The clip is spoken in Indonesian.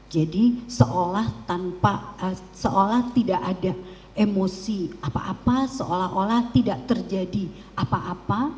jadi seolah tidak ada emosi apa apa seolah olah tidak terjadi apa apa